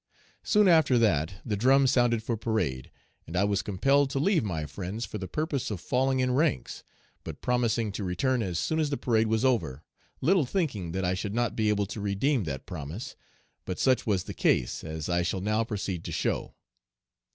"Soon after that the drum sounded for parade, and I was compelled to leave my friends for the purpose of falling in ranks, but promising to return as soon as the parade was over, little thinking that I should not be able to redeem that promise; but such was the case, as I shall now proceed to show.